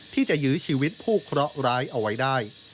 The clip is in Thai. ที่จะยื้อชีวิตผู้เคราะห์ร้ายเอาไว้ได้